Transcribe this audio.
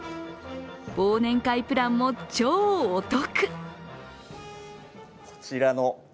忘年会プランも超お得。